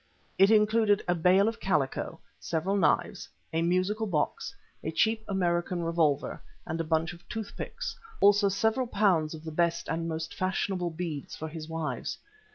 It included a bale of calico, several knives, a musical box, a cheap American revolver, and a bundle of tooth picks; also several pounds of the best and most fashionable beads for his wives.